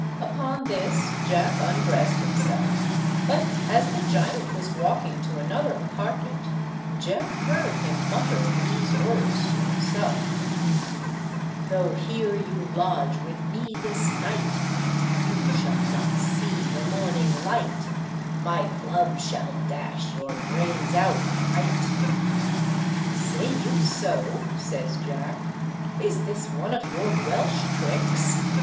Upon this Jack undressed himself, but as the giant was walking to another apartment Jack heard him mutter these words to himself— "Tho' here you lodge with me this night, You shall not see the morning light, My club shall dash your brains out quite." "Say you so?" says Jack. "Is this one of your Welsh tricks?